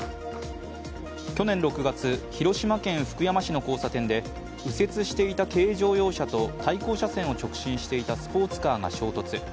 去年６月、広島県福山市の交差点で右折していた軽乗用車と対向車線を直進していたスポーツカーが衝突。